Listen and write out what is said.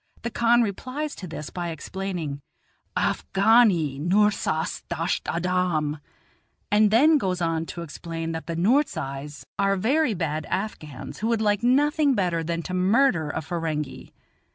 The khan replies to this by explaining, "Afghani Noorzais dasht adam," and then goes on to explain that the Noorzais are very bad Afghans, who would like nothing better than to murder a Ferenghi.